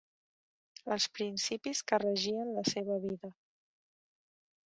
Els principis que regien la seva vida.